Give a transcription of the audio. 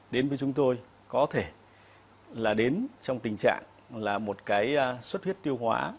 đến với chúng tôi có thể là đến trong tình trạng là một cái suất huyết tiêu hóa